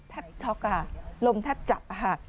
แทบช็อกค่ะลมแทบจับค่ะ